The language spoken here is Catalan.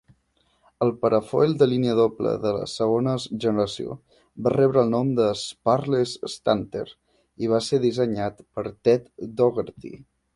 El parafoil de línia doble de segona generació va rebre el nom d'"Sparless Stunter" i va ser dissenyat per Ted Dougherty.